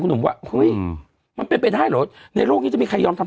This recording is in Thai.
กับคุณหนุ่มว่าอืมมันเป็นเป็นท้ายเหรอในโลกนี้จะมีใครยอมทำ